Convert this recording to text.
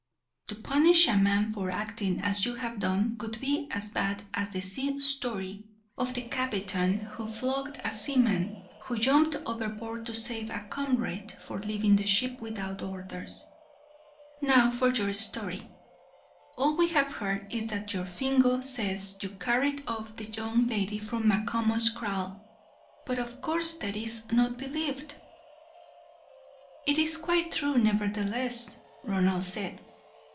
To punish a man for acting as you have done would be as bad as the sea story of the captain who flogged a seaman, who jumped overboard to save a comrade, for leaving the ship without orders. Now for your story: all we have heard is that your Fingo says you carried off the young lady from Macomo's kraal, but, of course, that is not believed." "It is quite true, nevertheless," Ronald said.